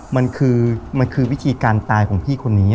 มันคือวิธีการตายของพี่คนนี้